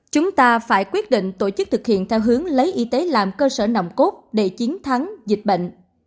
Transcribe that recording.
chúng ta phải quyết định tổ chức thực hiện theo hướng lấy y tế làm cơ sở nòng cốt để chiến thắng dịch bệnh